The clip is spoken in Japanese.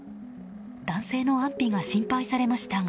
男性の安否が心配されましたが。